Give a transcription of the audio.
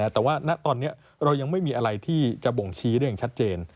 แต่ว่าณตอนนี้เรายังไม่มีอะไรที่จะบ่งชี้ได้อย่างชัดเจน